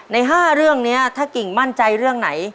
ใน๕เรื่องนี้ถ้ากิ่งมั่นใจเรื่องไหน